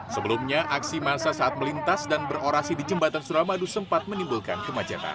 sebelumnya aksi massa saat melintas dan berorasi di jembatan suramadu sempat menimbulkan kemacetan